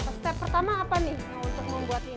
step pertama apa nih untuk membuat ini